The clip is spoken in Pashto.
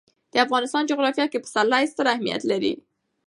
د افغانستان جغرافیه کې پسرلی ستر اهمیت لري.